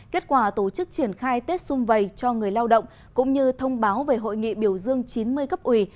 kết quả tổ chức triển khai tết xung vầy cho người lao động cũng như thông báo về hội nghị biểu dương chín mươi cấp ủy